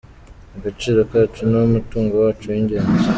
Agaciro kacu niwo mutungo wacu w’ingenzi.